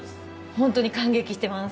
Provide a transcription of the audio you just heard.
本当に感激してます。